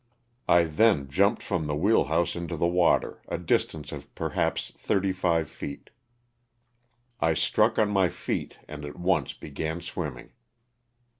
I then jumped from the wheel house into the water, a distance of perhaps thirty five feet. I struck on my feet and at once began swimming.